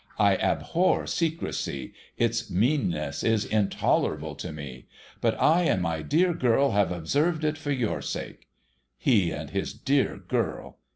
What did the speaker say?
I abhor secrecy. Its meanness is intolerable to me. But I and my dear girl have observed it for your sake.' He and his dear girl